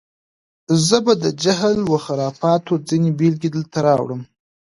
زه به د جهل و خرافاتو ځینې بېلګې دلته راوړم.